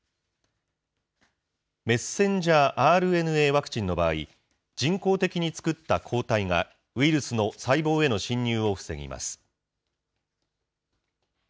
ｍＲＮＡワクチンの場合、人工的に作った抗体が、ウイルスの細胞への侵入を防ぎます。